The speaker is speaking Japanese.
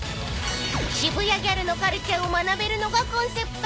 ［渋谷ギャルのカルチャーを学べるのがコンセプト］